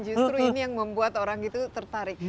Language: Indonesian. justru ini yang membuat orang itu tertarik